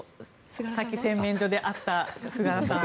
さっき洗面所で会った菅原さんは。